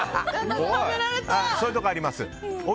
そういうところあります。